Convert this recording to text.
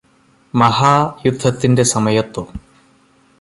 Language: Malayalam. മഹാ യുദ്ധത്തിന്റെ സമയത്തോ